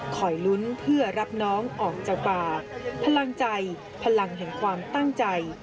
คอยลุ้นเพื่อรับน้องออกจากป่าพลังใจพลังแห่งความตั้งใจ